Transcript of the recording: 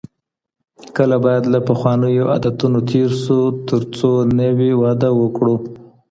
کله باید له پخوانیو عادتونو تېر سو ترڅو نوې وده وکړو؟